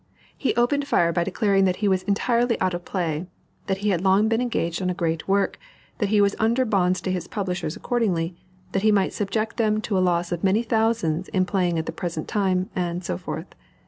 He opened fire by declaring that he was entirely out of play that he had long been engaged on a great work that he was under bonds to his publishers accordingly that he might subject them to a loss of many thousands in playing at the present time, and so forth.